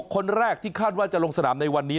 คนแรกที่คาดว่าจะลงสนามในวันนี้